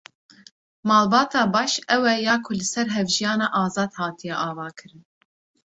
Malbata baş, ew e ya ku li ser hevjiyana azad hatiye avakirin.